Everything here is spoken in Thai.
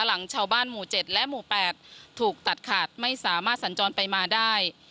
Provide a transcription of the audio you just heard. หลังชาวบ้านหมู่๗และหมู่๘ถูกตัดขาดไม่สามารถสัญจรไปมาได้